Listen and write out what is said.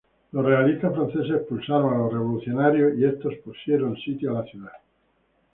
Los realistas franceses expulsaron a los revolucionarios y estos pusieron sitio a la ciudad.